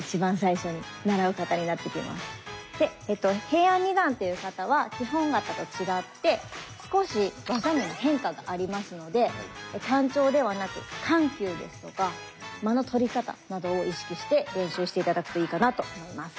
平安二段っていう形は基本形と違って少し技にも変化がありますので単調ではなく緩急ですとか間の取り方などを意識して練習して頂くといいかなと思います。